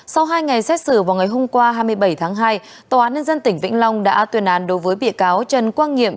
sau hai ngày xét xử vào ngày hôm qua hai mươi bảy tháng hai tòa án nhân dân tỉnh vĩnh long đã tuyên án đối với bị cáo trần quang nghiệp